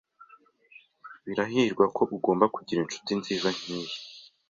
Birahirwa ko ugomba kugira inshuti nziza nkiyi.